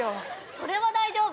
それは大丈夫！